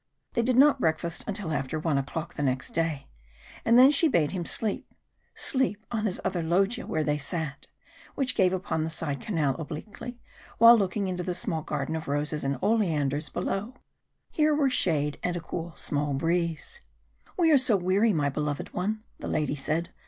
They did not breakfast until after one o'clock the next day, and then she bade him sleep sleep on this other loggia where they sat, which gave upon the side canal obliquely, while looking into a small garden of roses and oleanders below. Here were shade and a cool small breeze. "We are so weary, my beloved one," the lady said.